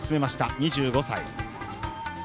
２５歳。